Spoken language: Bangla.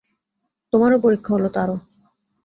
তোমারও পরীক্ষা হল, তারও।